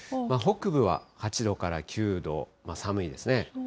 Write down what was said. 北部は８度から９度、寒いですね。